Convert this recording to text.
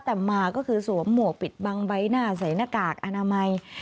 แต่มาก็คือสวมหมวกปิดบังใบหน้าใส่หน้ากากอนามัย